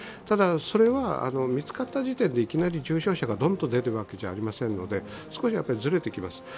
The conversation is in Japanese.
ただ、それは見つかった時点でいきなり重症者がどんと出るわけではありませんので少しずれてきます。